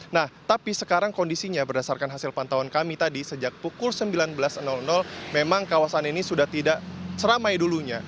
nah tapi sekarang kondisinya berdasarkan hasil pantauan kami tadi sejak pukul sembilan belas memang kawasan ini sudah tidak seramai dulunya